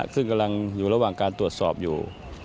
ซึ่งกำลังอยู่ระหว่างการตรวจสอบอยู่